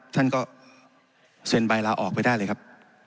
ท่านก็เซ็นใบลาออกไปได้เลยครับ